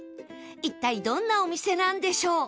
一体どんなお店なんでしょう？